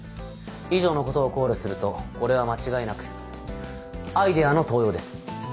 以上のことを考慮するとこれは間違いなくアイデアの盗用です。